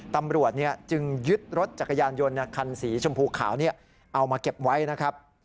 ตำรวจจึงยึดรถจักรยานยนต์คันสีชมพูขาวเอามาเก็บไว้นะครับ